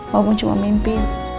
walaupun cuma mimpi